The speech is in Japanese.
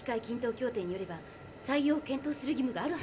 均等協定によれば採用を検討する義務が。